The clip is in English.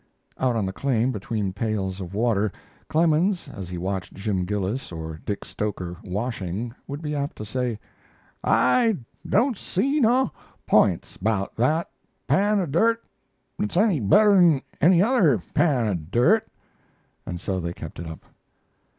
Out on the claim, between pails of water, Clemens, as he watched Jim Gillis or Dick Stoker "washing," would be apt to say, "I don't see no p'ints about that pan o' dirt that's any better'n any other pan o' dirt," and so they kept it up.